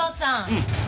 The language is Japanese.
うん。